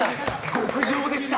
極上でした。